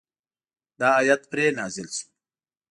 دا آیت پرې نازل شو.